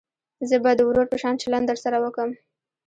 زه به د ورور په شان چلند درسره وکم.